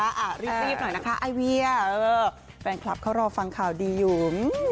อ่ะรีบหน่อยนะคะไอเวียเออแฟนคลับเขารอฟังข่าวดีอยู่